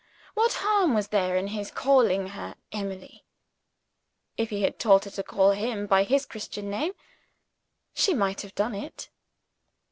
What harm was there in his calling her "Emily"? If he had told her to call him by his Christian name, she might have done it.